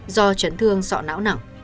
do trấn thương sọ não nặng